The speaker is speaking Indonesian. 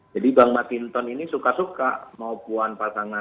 jadi bang matinton ini suka suka mau puan patahkan